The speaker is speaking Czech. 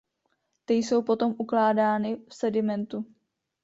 Ty jsou potom ukládány v sedimentu.